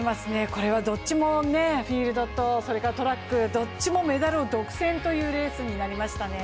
これはフィールドとトラック、どっちもメダルを独占というレースになりましたね。